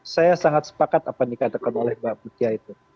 saya sangat sepakat apa yang dikatakan oleh mbak mutia itu